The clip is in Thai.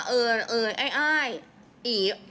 แต่ไม่ใช้ออภาพ